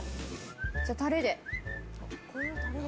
じゃあ、タレで。